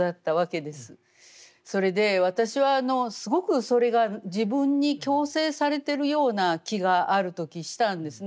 それで私はすごくそれが自分に強制されてるような気がある時したんですね。